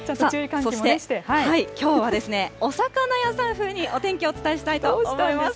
そしてきょうは、お魚屋さん風にお天気をお伝えしたいと思います。